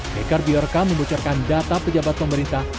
hacker biorca membucarkan data pejabat pemerintah